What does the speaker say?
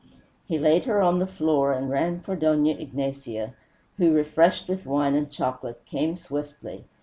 He laid her on the floor, and ran for Dona Ignacia, who, refreshed with wine and chocolate, came swiftly.